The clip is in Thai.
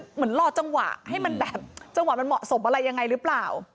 เหมือนรอจังหวะให้มันแบบจังหวะมันเหมาะสมอะไรยังไงหรือเปล่า